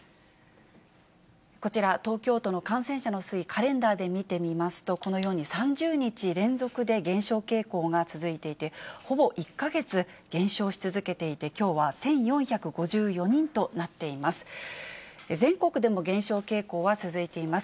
こちら、東京都の感染者の推移、カレンダーで見てみますと、このように３０日連続で減少傾向が続いていて、ほぼ１か月減少し続けていて、きょうは１４５４人となっています。